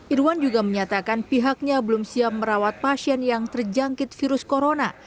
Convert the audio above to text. irwan juga menyatakan pihaknya belum siap merawat pasien yang terjangkit virus corona